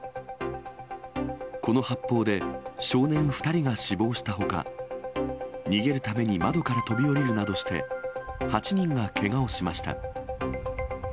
この発砲で、少年２人が死亡したほか、逃げるために窓から飛び降りるなどして、８人がけがをしました。